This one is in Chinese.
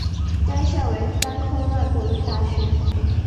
该校为单科外国语大学。